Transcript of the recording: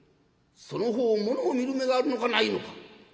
その方ものを見る目があるのかないのか。